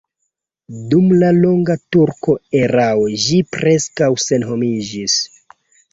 Dum la longa turka erao ĝi preskaŭ senhomiĝis.